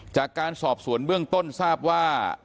จากการสอบสวนเบื้องต้นทราบว่า